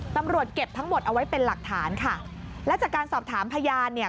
ตำรวจเก็บทั้งหมดเอาไว้เป็นหลักฐานค่ะและจากการสอบถามพยานเนี่ย